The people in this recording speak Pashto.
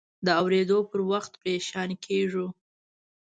د اورېدو پر وخت پریشان کېږو.